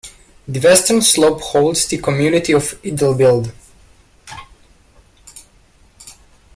The western slope holds the community of Idyllwild.